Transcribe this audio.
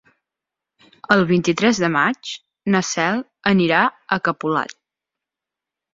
El vint-i-tres de maig na Cel anirà a Capolat.